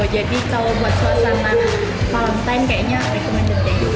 jadi kalau buat suasana valentine kayaknya recommended ya